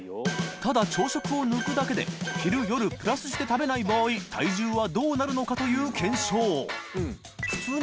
磴燭朝食を抜くだけで夜プラスして食べない場合僚鼎どうなるのかという検証禀當未帽佑┐